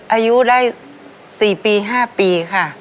อายุได้๔ปี๕ปีค่ะ